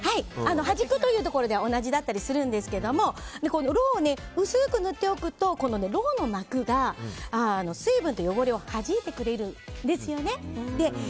はじくというところでは同じだったりするんですがろうを薄く塗っておくとろうの膜が水分と汚れをはじいてくれるんですよね。